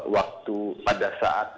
waktu pada saat